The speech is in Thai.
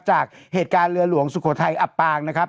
จากเหตุการณ์เรือหลวงสุโขทัยอับปางนะครับ